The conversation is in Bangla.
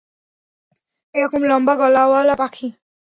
এরকম লম্বা গলাওয়ালা পাখি।